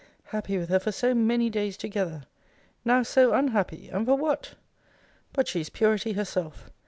Happy with her for so many days together! Now so unhappy! And for what? But she is purity herself.